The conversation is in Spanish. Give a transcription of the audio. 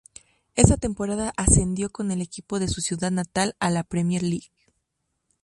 Esa temporada ascendió con el equipo de su ciudad natal a la Premier League.